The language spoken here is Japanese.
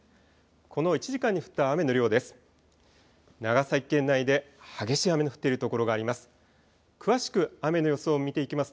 この１時間に降った雨の量です。